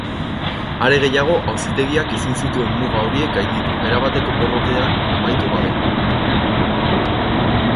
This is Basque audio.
Are gehiago, auzitegiak ezin zituen muga horiek gainditu erabateko porrotean amaitu gabe.